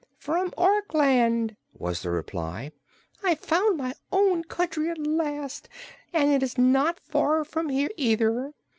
"From Orkland," was the reply. "I've found my own country, at last, and it is not far from here, either.